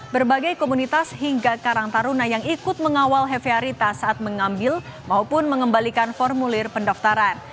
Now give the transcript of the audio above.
berbagai komunitas hingga karang taruna yang ikut mengawal hevyarita saat mengambil maupun mengembalikan formulir pendaftaran